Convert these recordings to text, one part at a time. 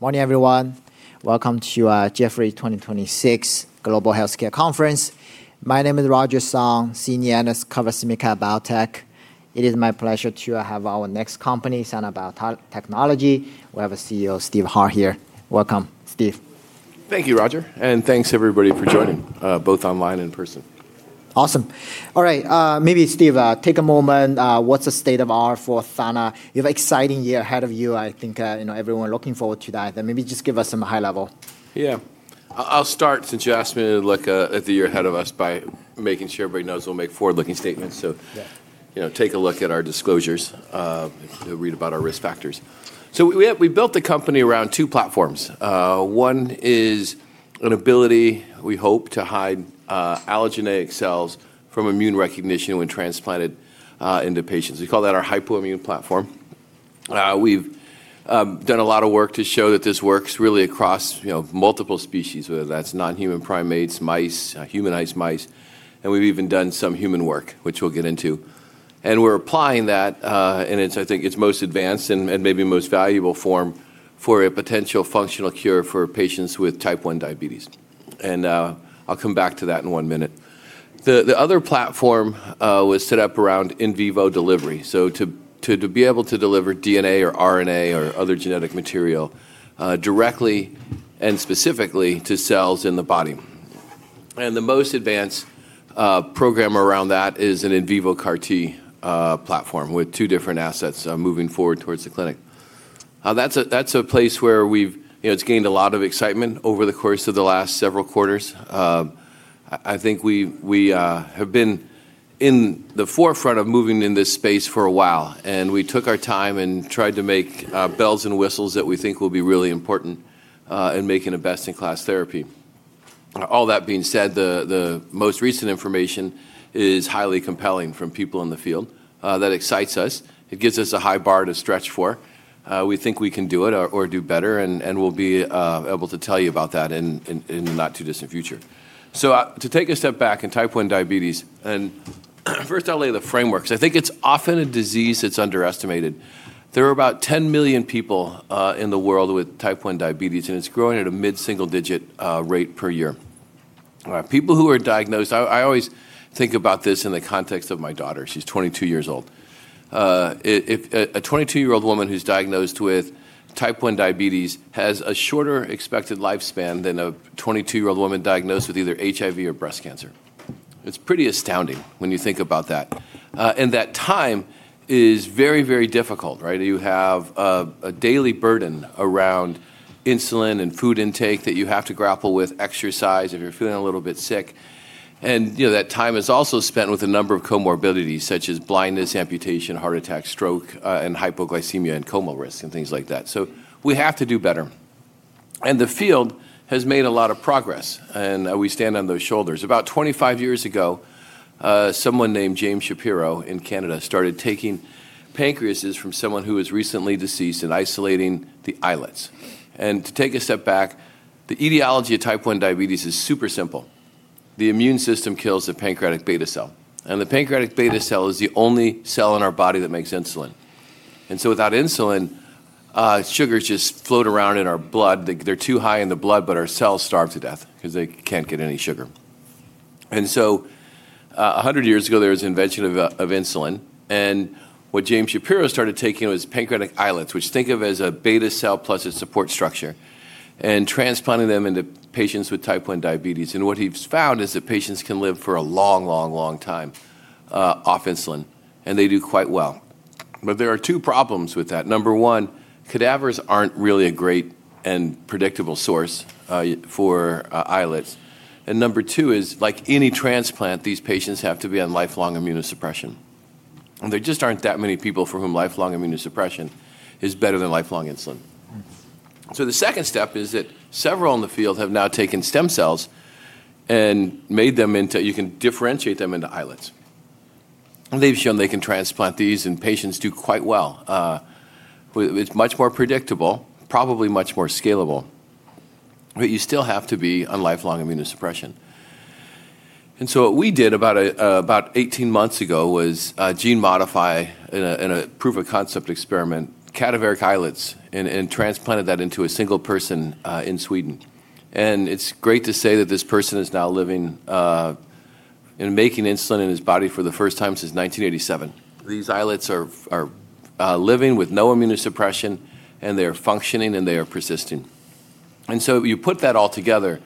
Morning, everyone. Welcome to the Jefferies 2026 Global Healthcare Conference. My name is Roger Song, Senior Analyst covering SMID-cap biotech. It is my pleasure to have our next company, Sana Biotechnology. We have CEO Steve Harr here. Welcome, Steve. Thank you, Roger, and thanks, everybody, for joining both online and in person. Awesome. All right. Maybe, Steve, take a moment. What's the state of R for Sana? You have an exciting year ahead of you. I think everyone's looking forward to that. Maybe just give us some high level. Yeah. I'll start, since you asked me to look at the year ahead of us, by making sure everybody knows we'll make forward-looking statements. Take a look at our disclosures to read about our risk factors. We built the company around two platforms. One is an ability, we hope, to hide allogeneic cells from immune recognition when transplanted into patients. We call that our hypoimmune platform. We've done a lot of work to show that this works really across multiple species, whether that's non-human primates, mice, humanized mice, and we've even done some human work, which we'll get into. We're applying that in, I think, its most advanced and maybe most valuable form for a potential functional cure for patients with type 1 diabetes. I'll come back to that in one minute. The other platform was set up around in vivo delivery, so to be able to deliver DNA or RNA or other genetic material directly and specifically to cells in the body. The most advanced program around that is an in vivo CAR T platform with two different assets moving forward towards the clinic. That's a place where it's gained a lot of excitement over the course of the last several quarters. I think we have been in the forefront of moving in this space for a while, and we took our time and tried to make bells and whistles that we think will be really important in making a best-in-class therapy. All that being said, the most recent information is highly compelling from people in the field. That excites us. It gives us a high bar to stretch for. We think we can do it or do better, and we'll be able to tell you about that in the not-too-distant future. To take a step back in type 1 diabetes, and first I'll lay the frameworks. I think it's often a disease that's underestimated. There are about 10 million people in the world with type 1 diabetes, and it's growing at a mid-single-digit rate per year. People who are diagnosed. I always think about this in the context of my daughter. She's 22 years old. A 22-year-old woman who's diagnosed with type 1 diabetes has a shorter expected lifespan than a 22-year-old woman diagnosed with either HIV or breast cancer. It's pretty astounding when you think about that. That time is very difficult, right? You have a daily burden around insulin and food intake that you have to grapple with, exercise if you're feeling a little bit sick. That time is also spent with a number of comorbidities, such as blindness, amputation, heart attack, stroke, and hypoglycemia and coma risk and things like that. We have to do better. The field has made a lot of progress, and we stand on those shoulders. About 25 years ago, someone named James Shapiro in Canada started taking pancreases from someone who was recently deceased and isolating the islets. To take a step back, the etiology of type 1 diabetes is super simple. The immune system kills the pancreatic beta cell, and the pancreatic beta cell is the only cell in our body that makes insulin. Without insulin, sugars just float around in our blood. They're too high in the blood, but our cells starve to death because they can't get any sugar. 100 years ago, there was the invention of insulin, and what James Shapiro started taking was pancreatic islets, which think of as a beta cell plus its support structure, and transplanting them into patients with type 1 diabetes. What he's found is that patients can live for a long time off insulin, and they do quite well. There are two problems with that. Number one, cadavers aren't really a great and predictable source for islets. Number two is, like any transplant, these patients have to be on lifelong immunosuppression. There just aren't that many people for whom lifelong immunosuppression is better than lifelong insulin. The second step is that several in the field have now taken stem cells and you can differentiate them into islets. They've shown they can transplant these, and patients do quite well with much more predictable, probably much more scalable, but you still have to be on lifelong immunosuppression. What we did about 18 months ago was gene modify in a proof-of-concept experiment, cadaveric islets, and transplanted that into a single person in Sweden. It's great to say that this person is now living and making insulin in his body for the first time since 1987. These islets are living with no immunosuppression, and they are functioning, and they are persisting. You put that all together,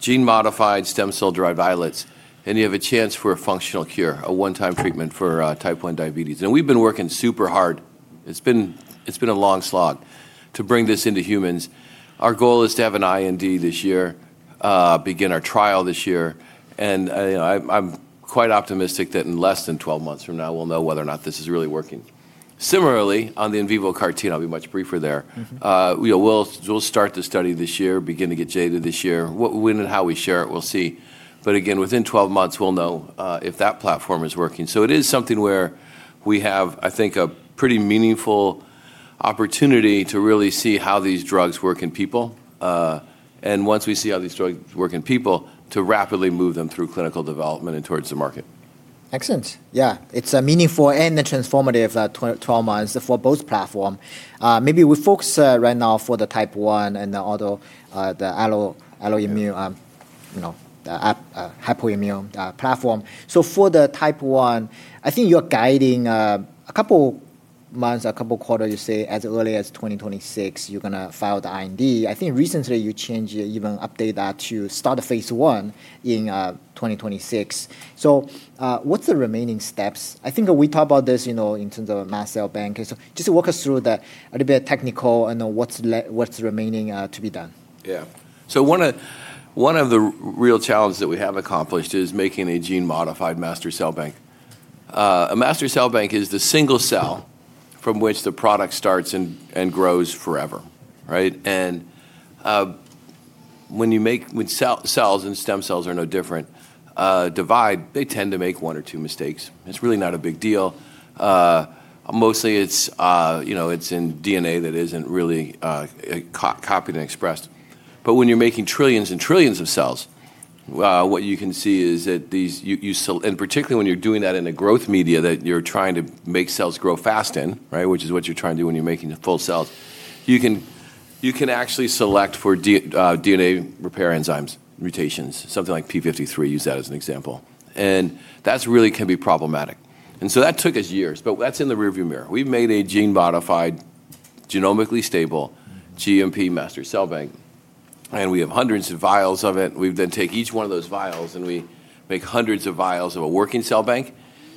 gene-modified stem cell-derived islets, and you have a chance for a functional cure, a one-time treatment for type 1 diabetes. We've been working super hard. It's been a long slog to bring this into humans. Our goal is to have an IND this year, begin our trial this year, and I'm quite optimistic that in less than 12 months from now, we'll know whether or not this is really working. Similarly, on the in vivo CAR T, and I'll be much briefer there. We'll start the study this year, begin to get data this year. When and how we share it, we'll see, but again, within 12 months, we'll know if that platform is working. It is something where we have, I think, a pretty meaningful opportunity to really see how these drugs work in people. Once we see how these drugs work in people, to rapidly move them through clinical development and towards the market. Excellent. Yeah. It's meaningful and transformative trauma for both platforms. We focus right now for the type 1 and the other, the alloimmune, hypoimmune platform. For the type 1, I think you're guiding a couple months, a couple quarters, you say as early as 2026, you're going to file the IND. I think recently you changed, even updated that to start phase I in 2026. What's the remaining steps? I think we talked about this in terms of a master cell bank. Just walk us through that, a little bit of technical and what's remaining to be done. Yeah. One of the real challenges that we have accomplished is making a gene-modified master cell bank. A master cell bank is the single cell from which the product starts and grows forever. Right? When cells, and stem cells are no different, divide, they tend to make one or two mistakes, and it's really not a big deal. Mostly, it's in DNA that isn't really copied and expressed. When you're making trillions and trillions of cells, what you can see is that particularly when you're doing that in a growth media that you're trying to make cells grow fast in, right, which is what you're trying to do when you're making the full cells, you can actually select for DNA repair enzymes, mutations, something like p53, use that as an example. That really can be problematic. That took us years, but that's in the rear view mirror. We've made a gene-modified, genomically stable GMP master cell bank, and we have hundreds of vials of it. We take each one of those vials, and we make hundreds of vials of a working cell bank.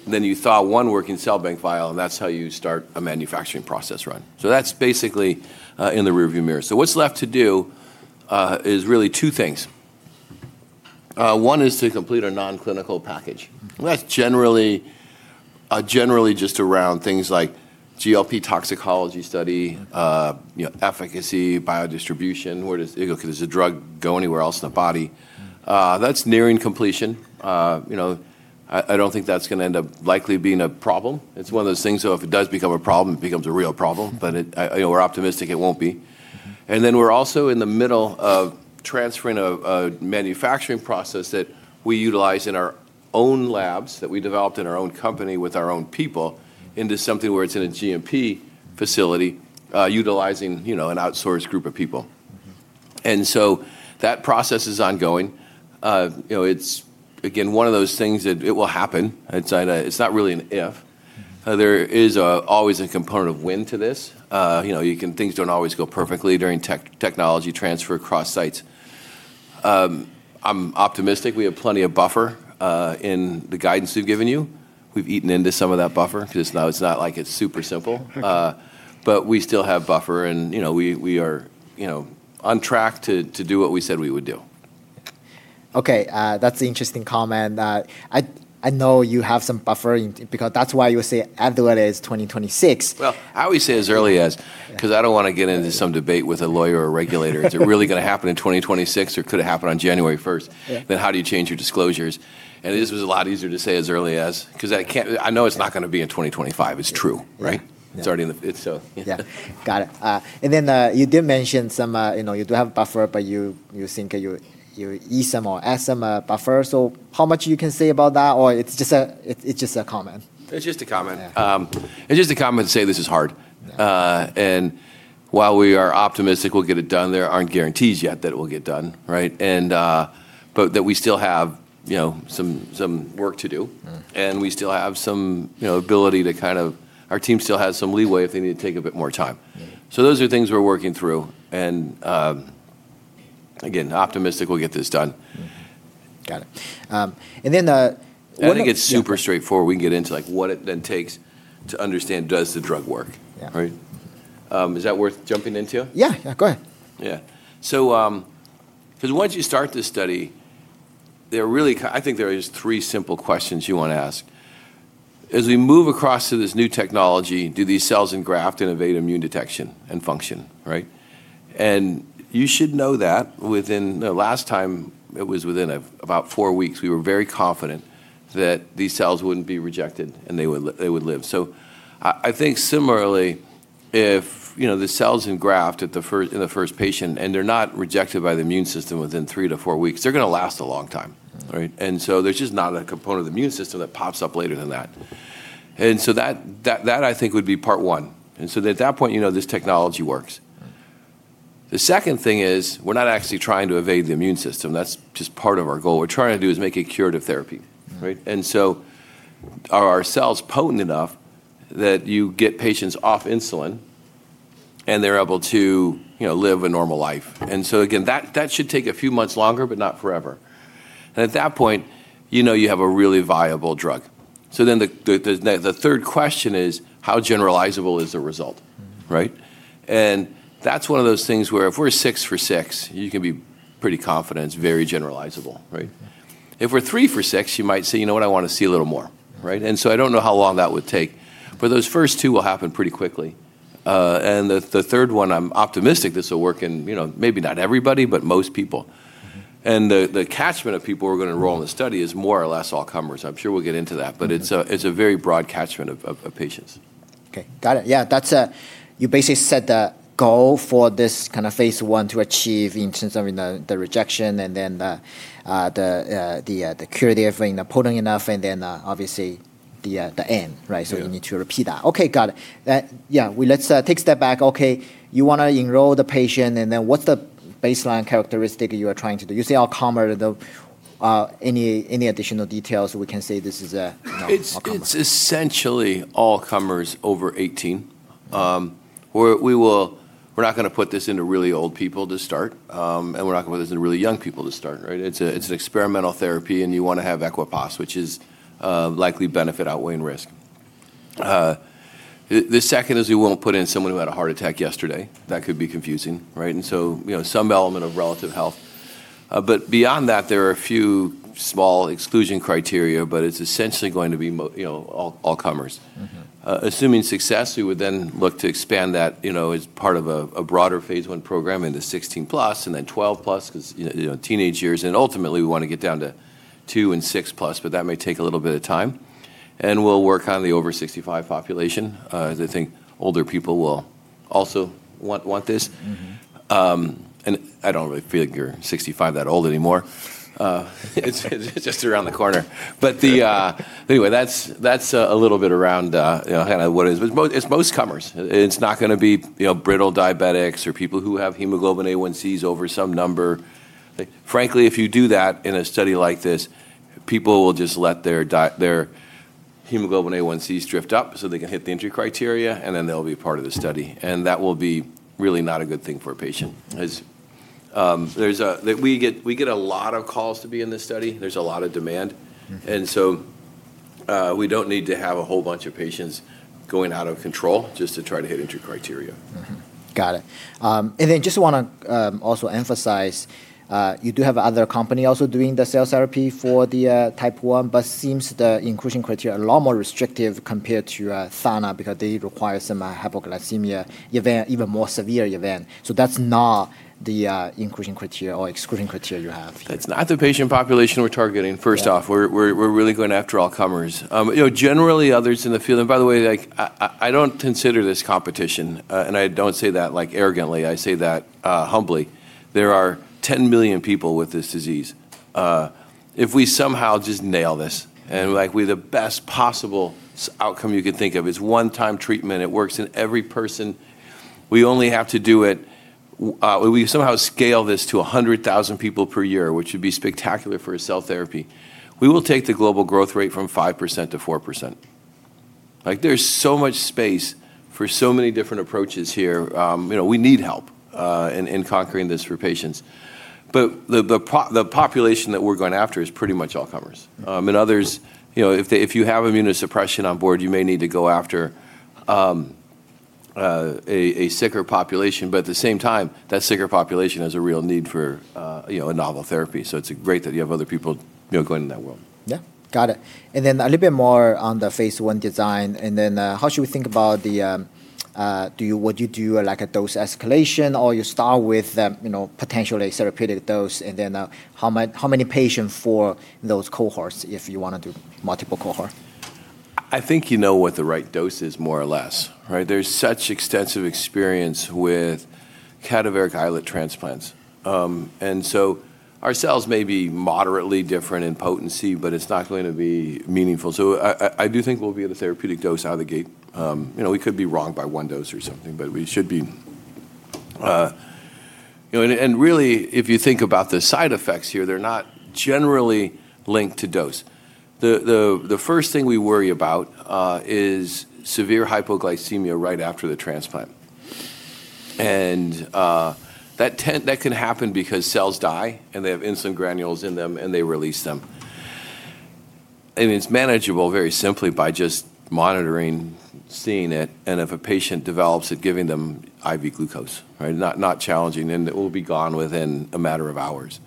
You thaw one working cell bank vial, and that's how you start a manufacturing process run. That's basically in the rear view mirror. What's left to do is really two things. One is to complete a non-clinical package. That's generally just around things like GLP toxicology study, efficacy, biodistribution. Where does it go? Could this drug go anywhere else in the body? That's nearing completion. I don't think that's going to end up likely being a problem. It's one of those things, though, if it does become a problem, it becomes a real problem. We're optimistic it won't be. We're also in the middle of transferring a manufacturing process that we utilize in our own labs, that we developed in our own company with our own people, into something where it's in a GMP facility, utilizing an outsourced group of people. That process is ongoing. It's, again, one of those things that it will happen. It's not really an if. There is always a component of when to this. Things don't always go perfectly during technology transfer across sites. I'm optimistic. We have plenty of buffer, in the guidance we've given you. We've eaten into some of that buffer because now it's not like it's super simple. We still have buffer, and we are on track to do what we said we would do. Okay. That's an interesting comment. I know you have some buffering because that's why you would say as late as 2026. Well, I always say as early as, because I don't want to get into some debate with a lawyer or regulator. Is it really going to happen in 2026, or could it happen on January 1st? How do you change your disclosures? This was a lot easier to say as early as, because I know it's not going to be in 2025. It's true, right? Yeah. It's already in. Yeah. Got it. You did mention you do have a buffer, but you think you ease some or add some buffer. How much can you say about that, or it's just a comment? It's just a comment. It's just a comment to say this is hard. While we are optimistic we'll get it done, there aren't guarantees yet that it will get done, right? We still have some work to do. We still have some ability to kind of. Our team still has some leeway if they need to take a bit more time. Those are things we're working through, and again, optimistic we'll get this done. Got it. I think it's super straightforward. We can get into what it then takes to understand, does the drug work? Right? Is that worth jumping into? Yeah. Go ahead. Yeah. Because once you start this study, I think there is three simple questions you want to ask. As we move across to this new technology, do these cells engraft to evade immune detection and function, right. You should know that within, the last time, it was within about four weeks, we were very confident that these cells wouldn't be rejected, and they would live. I think similarly, if the cells engraft in the first patient, and they're not rejected by the immune system within three to four weeks, they're going to last a long time. Right. There's just not a component of the immune system that pops up later than that. That, I think, would be part one. At that point, you know this technology works. The second thing is we're not actually trying to evade the immune system. That's just part of our goal. What we're trying to do is make a curative therapy. Right? Are our cells potent enough that you get patients off insulin, and they're able to live a normal life? Again, that should take a few months longer, but not forever. At that point, you know you have a really viable drug. The third question is, how generalizable is the result? Right? That's one of those things where if we're six for six, you can be pretty confident it's very generalizable. Right? If we're three for six, you might say, "You know what? I want to see a little more." Right? I don't know how long that would take, but those first two will happen pretty quickly. The third one, I'm optimistic this will work in maybe not everybody, but most people. The catchment of people we're going to enroll in the study is more or less all comers. I'm sure we'll get into that. It's a very broad catchment of patients. Okay, got it. Yeah, you basically set the goal for this phase I to achieve in terms of the rejection and then the curative thing, the potent enough, and then obviously the end, right? We need to repeat that. Okay, got it. Yeah. Let's take a step back. Okay, you want to enroll the patient, what's the baseline characteristic you are trying to do? You say all-comer, any additional details we can say this is a no, all-comer. It's essentially all-comers over 18. We're not going to put this into really old people to start, and we're not going to put this into really young people to start, right? It's an experimental therapy, you want to have equipoise, which is likely benefit outweighing risk. The second is we won't put in someone who had a heart attack yesterday. That could be confusing, right? Some element of relative health. Beyond that, there are a few small exclusion criteria, but it's essentially going to be all comers. Assuming success, we would then look to expand that as part of a broader phase I program into 16+ and then 12+ because teenage years. Ultimately, we want to get down to two and 6+. That may take a little bit of time. We'll work on the over 65 population, as I think older people will also want this. I don't really feel like you're 65 that old anymore. It's just around the corner. Anyway, that's a little bit around what it is. It's most comers. It's not going to be brittle diabetics or people who have hemoglobin A1cs over some number. Frankly, if you do that in a study like this, people will just let their hemoglobin A1cs drift up, so they can hit the entry criteria, and then they'll be part of the study. That will be really not a good thing for a patient. We get a lot of calls to be in this study. There's a lot of demand, and so we don't need to have a whole bunch of patients going out of control just to try to hit entry criteria. Got it. Just want to also emphasize, you do have other company also doing the cells therapy for the type 1, seems the inclusion criteria are a lot more restrictive compared to Sana because they require some hypoglycemia event, even more severe event. That's not the inclusion criteria or exclusion criteria you have. It's not the patient population we're targeting, first off. We're really going after all comers. Generally, others in the field-- By the way, I don't consider this competition, and I don't say that arrogantly, I say that humbly. There are 10 million people with this disease. If we somehow just nail this, and with the best possible outcome you could think of, it's one-time treatment, it works in every person. We somehow scale this to 100,000 people per year, which would be spectacular for a cell therapy. We will take the global growth rate from 5% to 4%. There's so much space for so many different approaches here. We need help in conquering this for patients. The population that we're going after is pretty much all comers. Others, if you have immunosuppression on board, you may need to go after a sicker population. At the same time, that sicker population has a real need for a novel therapy, so it's great that you have other people going in that world. Yeah. Got it. A little bit more on the phase I design, and then how should we think about the would you do a dose escalation, or you start with potentially therapeutic dose, and then how many patients for those cohorts if you want to do multiple cohorts? I think you know what the right dose is, more or less, right? There's such extensive experience with cadaveric islet transplants. Our cells may be moderately different in potency, but it's not going to be meaningful. I do think we'll be at a therapeutic dose out of the gate. We could be wrong by one dose or something, but we should be. Really, if you think about the side effects here, they're not generally linked to dose. The first thing we worry about is severe hypoglycemia right after the transplant. That can happen because cells die, and they have insulin granules in them, and they release them. It's manageable very simply by just monitoring, seeing it, and if a patient develops it, giving them IV glucose, right? Not challenging, it will be gone within a matter of hours.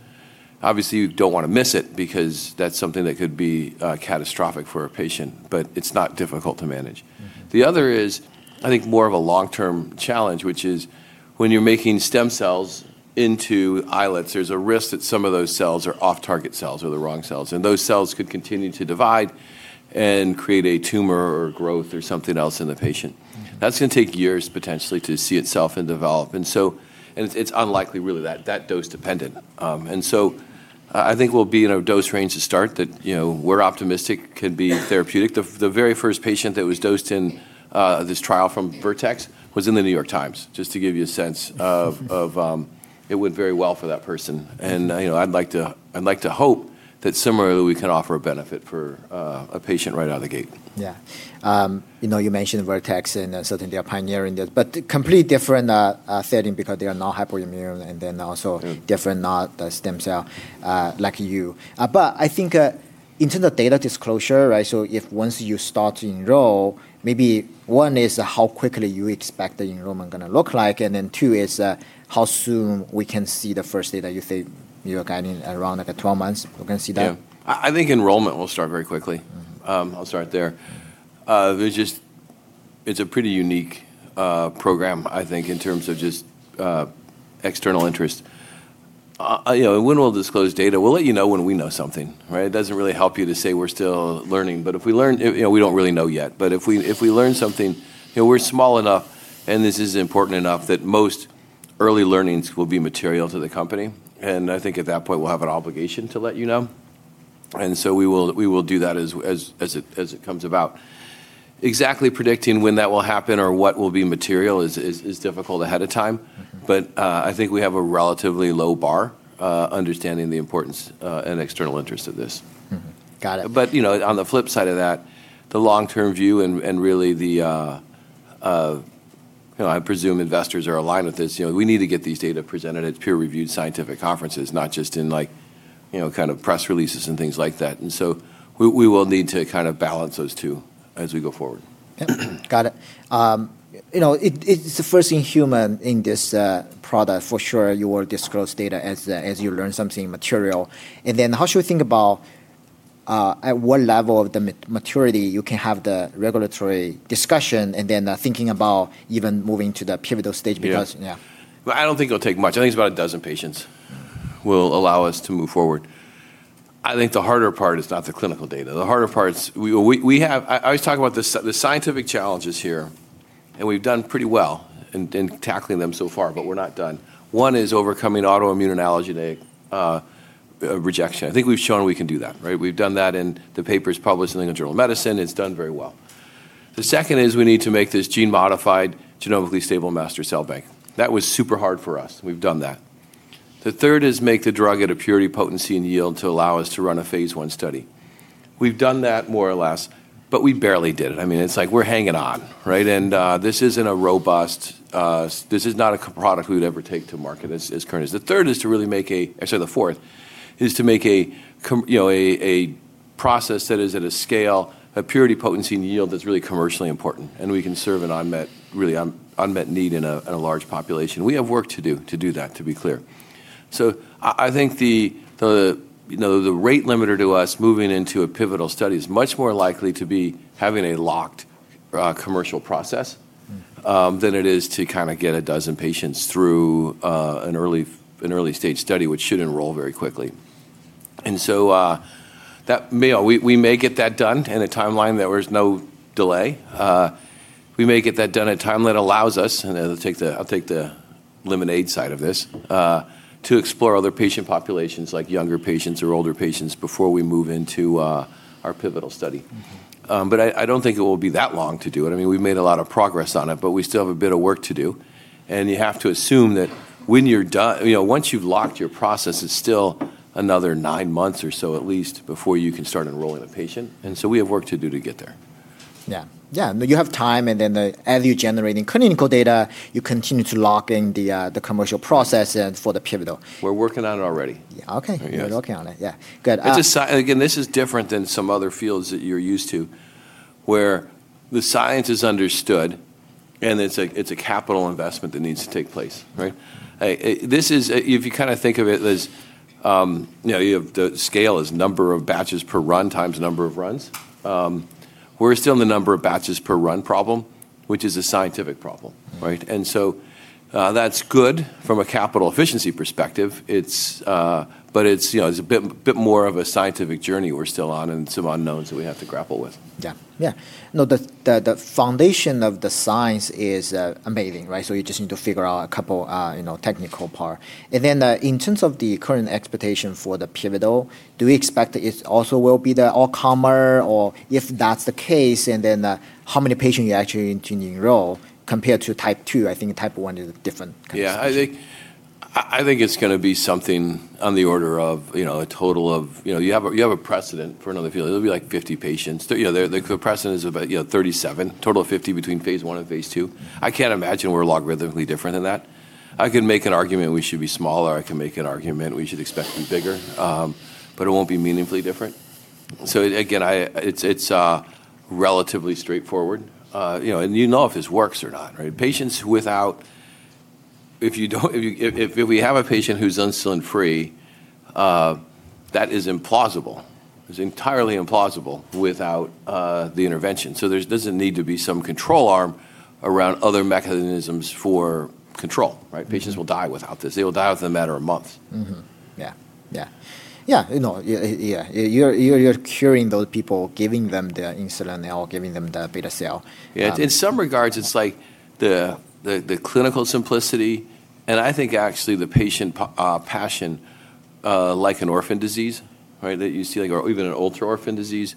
Obviously, you don't want to miss it because that's something that could be catastrophic for a patient, but it's not difficult to manage. The other is, I think, more of a long-term challenge, which is when you're making stem cells into islets, there's a risk that some of those cells are off-target cells or the wrong cells, and those cells could continue to divide and create a tumor or growth or something else in the patient. That's going to take years, potentially, to see itself and develop. It's unlikely really that dose-dependent. I think we'll be in a dose range to start that we're optimistic could be therapeutic. The very first patient that was dosed in this trial from Vertex Pharmaceuticals was in The New York Times, just to give you a sense of it went very well for that person. I'd like to hope that similarly, we can offer a benefit for a patient right out of the gate. Yeah. You mentioned Vertex, and certainly they are pioneering this, but complete different setting because they are not hypoimmune, and then also different stem cell like you. I think in terms of data disclosure, right, so if once you start to enroll, maybe one is how quickly you expect the enrollment going to look like, and then two is how soon we can see the first data. You think you are guiding around 12 months we can see that? Yeah. I think enrollment will start very quickly. I'll start there. It's a pretty unique program, I think, in terms of just external interest. When we'll disclose data, we'll let you know when we know something. Right? It doesn't really help you to say we're still learning. We don't really know yet, but if we learn something, we're small enough, and this is important enough, that most early learnings will be material to the company. I think at that point, we'll have an obligation to let you know. We will do that as it comes about. Exactly predicting when that will happen or what will be material is difficult ahead of time. I think we have a relatively low bar understanding the importance and external interest of this. Got it. On the flip side of that, the long-term view and really I presume investors are aligned with this. We need to get these data presented at peer-reviewed scientific conferences, not just in press releases and things like that. We will need to kind of balance those two as we go forward. Got it. It's the first in human in this product for sure you will disclose data as you learn something material. How should we think about at what level of the maturity you can have the regulatory discussion and then thinking about even moving to the pivotal stage? I don't think it'll take much. I think it's about 12 patients will allow us to move forward. I think the harder part is not the clinical data. I always talk about the scientific challenges here, and we've done pretty well in tackling them so far. We're not done. One is overcoming autoimmune and allogeneic rejection. I think we've shown we can do that, right. We've done that in the papers published in the New England Journal of Medicine. It's done very well. The second is we need to make this gene-modified genomically stable master cell bank. That was super hard for us. We've done that. The third is make the drug at a purity, potency, and yield to allow us to run a phase I study. We've done that more or less. We barely did it. I mean, it's like we're hanging on. Right? This is not a product we would ever take to market as currently. Actually, the fourth is to make a process that is at a scale of purity, potency, and yield that's really commercially important, and we can serve an unmet need in a large population. We have work to do to do that, to be clear. I think the rate limiter to us moving into a pivotal study is much more likely to be having a locked commercial process than it is to kind of get 12 patients through an early-stage study, which should enroll very quickly. We may get that done in a timeline that there's no delay. We may get that done in a time that allows us, and I'll take the lemonade side of this, to explore other patient populations, like younger patients or older patients, before we move into our pivotal study. I don't think it will be that long to do it. I mean, we've made a lot of progress on it, but we still have a bit of work to do, and you have to assume that once you've locked your process, it's still another nine months or so at least before you can start enrolling a patient. We have work to do to get there. Yeah. You have time. As you're generating clinical data, you continue to lock in the commercial process for the pivotal. We're working on it already. Yeah. Okay. You're working on it. Yeah. Good. This is different than some other fields that you're used to, where the science is understood and it's a capital investment that needs to take place. Right? If you kind of think of it as you have the scale is number of batches per run times number of runs. We're still in the number of batches per run problem, which is a scientific problem. Right? That's good from a capital efficiency perspective. It's a bit more of a scientific journey we're still on and some unknowns that we have to grapple with. Yeah. The foundation of the science is amazing, right? You just need to figure out a couple technical part. In terms of the current expectation for the pivotal, do we expect it also will be the all-comer? If that's the case, and then how many patients you actually need to enroll compared to type 2? I think type 1 is different kind of situation. Yeah. I think it's going to be something on the order of a total of. You have a precedent for another field. It'll be like 50 patients. The precedent is about 37, total of 50 between phase I and phase II. I can't imagine we're logarithmically different than that. I can make an argument we should be smaller. I can make an argument we should expect to be bigger. It won't be meaningfully different. Again, it's relatively straightforward. You know if this works or not, right? If we have a patient who's insulin-free, that is implausible. It's entirely implausible without the intervention. There doesn't need to be some control arm around other mechanisms for control, right? Patients will die without this. They will die within a matter of months. Yeah. You're curing those people, giving them the insulin or giving them the beta cell. In some regards, it's like the clinical simplicity, and I think actually the patient passion, like an orphan disease, right? That you see or even an ultra-orphan disease,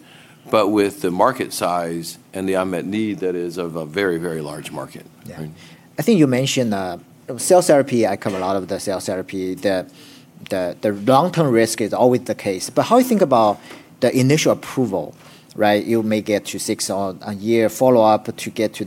but with the market size and the unmet need that is of a very large market. I think you mentioned cell therapy. I cover a lot of the cell therapy. The long-term risk is always the case, but how you think about the initial approval, right? You may get to six or a year follow-up to get to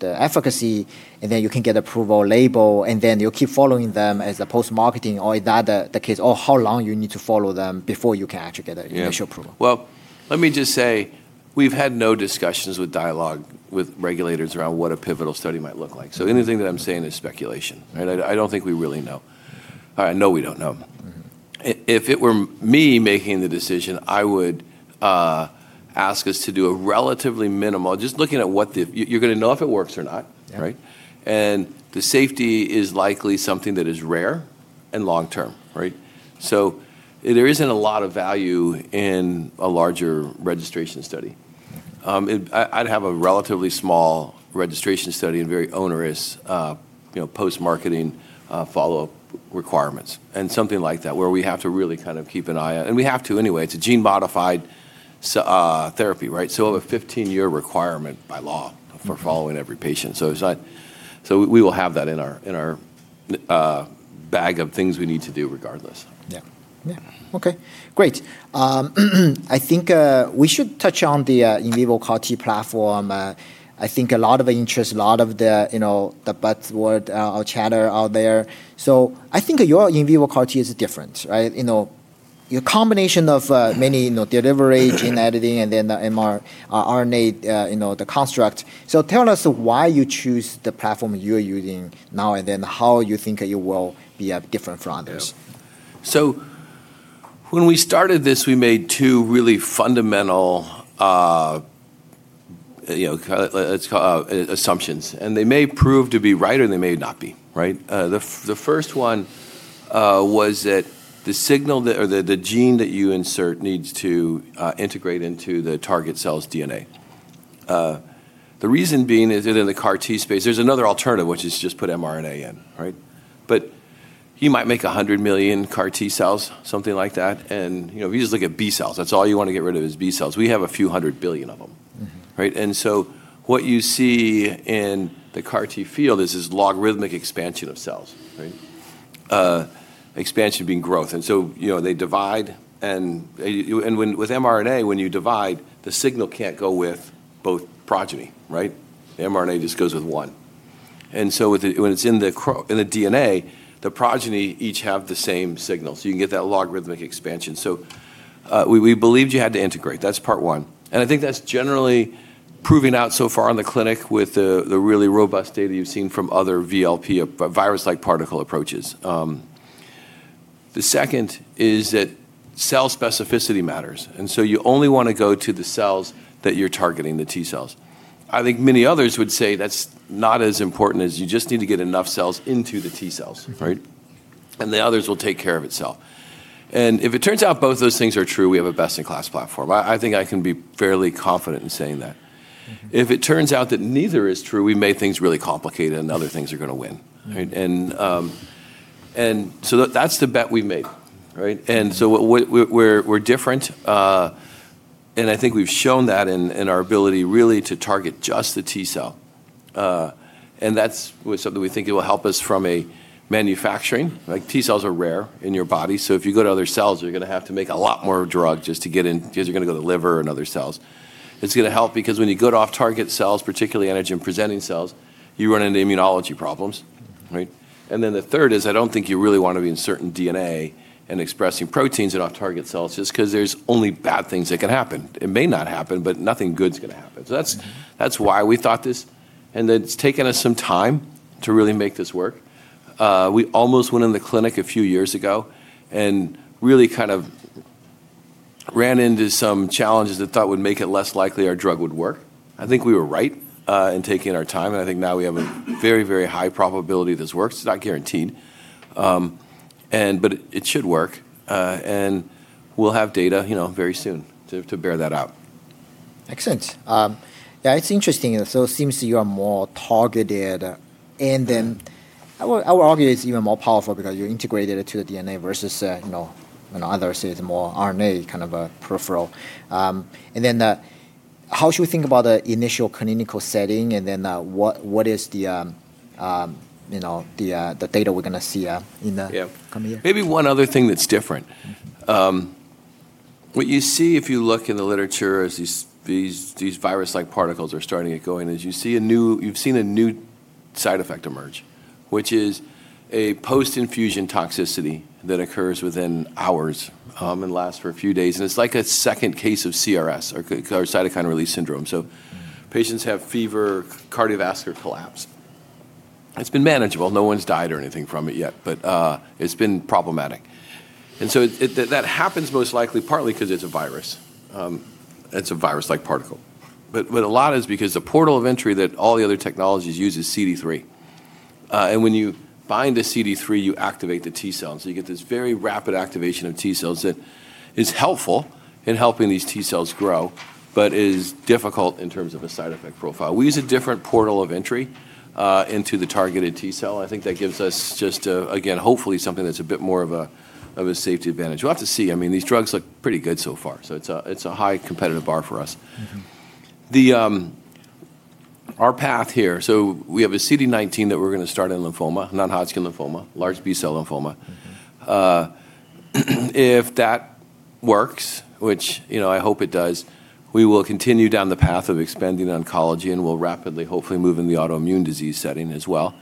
the efficacy, and then you can get approval label, and then you keep following them as a post-marketing, or is that the case? How long you need to follow them before you can actually get the initial approval? Well, let me just say, we've had no discussions with dialogue with regulators around what a pivotal study might look like. Anything that I'm saying is speculation. Right? I don't think we really know. I know we don't know. If it were me making the decision, I would ask us to do a relatively minimal. You're going to know if it works or not. Right? The safety is likely something that is rare and long-term, right? There isn't a lot of value in a larger registration study. I'd have a relatively small registration study and very onerous post-marketing follow-up requirements and something like that, where we have to really kind of keep an eye out. We have to anyway. It's a gene-modified therapy, right? A 15-year requirement by law for following every patient. We will have that in our bag of things we need to do regardless. Yeah. Okay, great. I think we should touch on the in vivo CAR T platform. I think a lot of interest, a lot of the buzzword or chatter out there. I think your in vivo CAR T is different, right? Your combination of many delivery, gene editing, and then the mRNA, the construct. Tell us why you choose the platform you're using now, and then how you think you will be different from others. Yeah. When we started this, we made two really fundamental assumptions, and they may prove to be right, or they may not be. The first one was that the signal or the gene that you insert needs to integrate into the target cell's DNA. The reason being is that in the CAR T space, there's another alternative, which is just put mRNA in, right? You might make 100 million CAR T cells, something like that, and if you just look at B cells, that's all you want to get rid of is B cells. We have a few hundred billion of them. Right? What you see in the CAR T field is this logarithmic expansion of cells. Right? Expansion being growth. They divide, and with mRNA, when you divide, the signal can't go with both progeny. Right? The mRNA just goes with one. When it's in the DNA, the progeny each have the same signal, so you can get that logarithmic expansion. We believed you had to integrate. That's part one. I think that's generally proven out so far in the clinic with the really robust data you've seen from other VLP, virus-like particle approaches. The second is that cell specificity matters, and so you only want to go to the cells that you're targeting, the T cells. I think many others would say that's not as important, as you just need to get enough cells into the T cells, right, and the others will take care of itself. If it turns out both those things are true, we have a best-in-class platform. I think I can be fairly confident in saying that. If it turns out that neither is true, we made things really complicated and other things are going to win. Right? That's the bet we made. Right? We're different, and I think we've shown that in our ability really to target just the T cell, and that's something we think it will help us from a manufacturing. T cells are rare in your body, so if you go to other cells, you're going to have to make a lot more drug just to get in because you're going to go to the liver and other cells. It's going to help because when you go to off-target cells, particularly antigen-presenting cells, you run into immunology problems. Right? The third is I don't think you really want to be inserting DNA and expressing proteins in off-target cells, just because there's only bad things that can happen. It may not happen, but nothing good's going to happen. That's why we thought this, and it's taken us some time to really make this work. We almost went into the clinic a few years ago and really kind of ran into some challenges that thought would make it less likely our drug would work. I think we were right in taking our time, and I think now we have a very high probability this works. It's not guaranteed, but it should work. We'll have data very soon to bear that out. Makes sense. Yeah, it's interesting. It seems you are more targeted, and then I would argue it's even more powerful because you integrated it to the DNA versus others with more RNA kind of a peripheral. How should we think about the initial clinical setting, and then what is the data we're going to see in the coming year? Yeah. Maybe one other thing that's different. What you see if you look in the literature as these virus-like particles are starting to get going, is you've seen a new side effect emerge, which is a post-infusion toxicity that occurs within hours and lasts for a few days, and it's like a second case of CRS, or cytokine release syndrome. Patients have fever, cardiovascular collapse. It's been manageable. No one's died or anything from it yet, but it's been problematic. That happens most likely partly because it's a virus. It's a virus-like particle. A lot is because the portal of entry that all the other technologies use is CD3. When you bind a CD3, you activate the T cells, and you get this very rapid activation of T cells that is helpful in helping these T cells grow but is difficult in terms of a side effect profile. We use a different portal of entry into the targeted T cell. I think that gives us just a, again, hopefully something that's a bit more of a safety advantage. We'll have to see. These drugs look pretty good so far, so it's a high competitive bar for us. Our path here, we have a CD19 that we're going to start in lymphoma, non-Hodgkin lymphoma, large B-cell lymphoma. If that works, which I hope it does, we will continue down the path of expanding oncology, and we'll rapidly, hopefully, move in the autoimmune disease setting as well.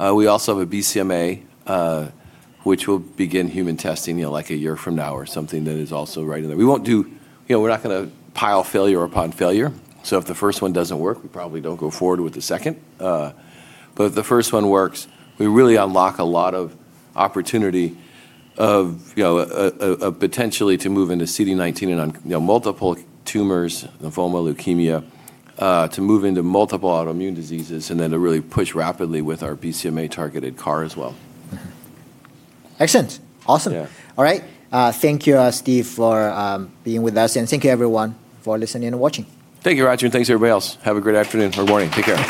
We also have a BCMA, which we'll begin human testing a year from now or something that is also right in there. We're not going to pile failure upon failure, so if the first one doesn't work, we probably don't go forward with the second. If the first one works, we really unlock a lot of opportunity of potentially to move into CD19 and on multiple tumors, lymphoma, leukemia, to move into multiple autoimmune diseases, and to really push rapidly with our BCMA-targeted CAR as well. Excellent. Awesome. Yeah. All right. Thank you, Steve, for being with us, and thank you everyone for listening and watching. Thank you, Roger, and thanks everybody else. Have a great afternoon or morning. Take care.